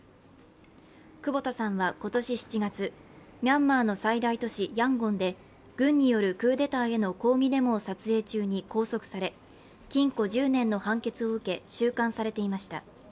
久保田さんは今年７月ミャンマーの最大都市・ヤンゴンで軍によるクーデターへの抗議デモを撮影中に拘束され禁錮１０年の判決を受け収監されていました。